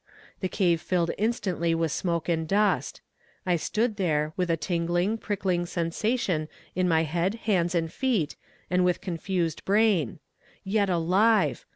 The cave filled instantly with smoke and dust. I stood there, with a tingling, prickling sensation in my head, hands and feet, and with confused brain. Yet alive!